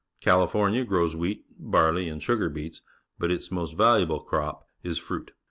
California also grows wheat, barley, and sugar beets, but its most valuable crop is fruit.